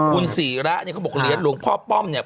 อ๋อคือโดนสิระเนี่ยเค้าบอกเลียนหลวงพ่อป้อมเนี่ย